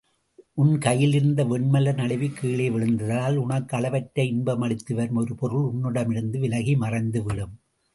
உன் கையிலிருந்த வெண்மலர் நழுவிக் கீழே விழுந்ததால் உனக்கு அளவற்ற இன்பமளித்துவரும் ஒரு பொருள் உன்னிடமிருந்து விலகி மறைந்துவிடும்.